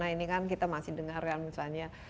ini kan kita masih dengarkan misalnya